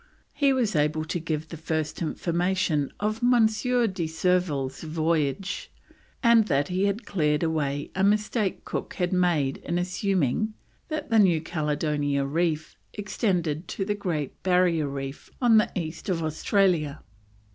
He was able to give the first information of M. de Surville's voyage, and that he had cleared away a mistake Cook had made in assuming that the New Caledonia reefs extended to the Great Barrier Reef on the east of Australia.